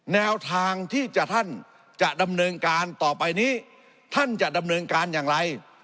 แนวทางที่ท่านจะดำเนินการต่อไปนี้ท่านจะดำเนินการอย่างไร